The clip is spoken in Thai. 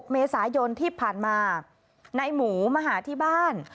เมษายนที่ผ่านมานายหมูมาหาที่บ้าน